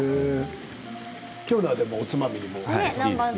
今日のはおつまみにもいいですね。